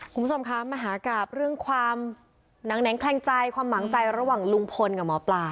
คุณผู้ชมคะมหากราบเรื่องความหนังแหงแคลงใจความหวังใจระหว่างลุงพลกับหมอปลา